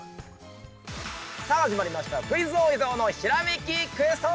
◆さあ始まりました「クイズ王・伊沢のひらめきクエスト」！